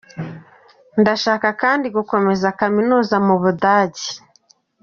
Ndashaka kandi gukomeza kaminuza mu Budage.